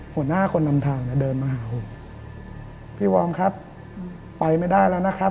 หัวหน้าคนนำทางเนี่ยเดินมาหาผมพี่วอร์มครับไปไม่ได้แล้วนะครับ